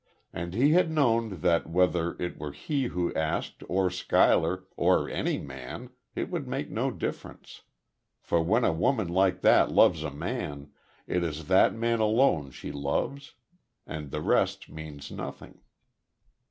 And he had known that whether it were he who asked, or Schuyler, or any man, it would make no difference; for when a woman like that loves a man, it is that man alone she loves; and the rest means nothing.